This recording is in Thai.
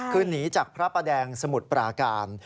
คือหนีจากพระประแดงสมุทรปราการ